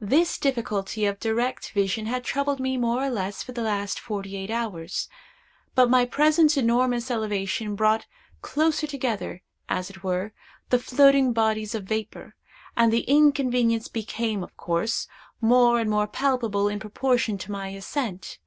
This difficulty of direct vision had troubled me more or less for the last forty eight hours; but my present enormous elevation brought closer together, as it were, the floating bodies of vapor, and the inconvenience became, of course, more and more palpable in proportion to my ascent.